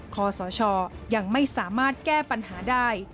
ขอสชยังไม่สามารถแก้ปัญหาได้